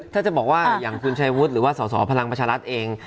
ถ้าจะบอกว่าอย่างคุณชายวุฒิหรือว่าสสพลังประชารัฐเอง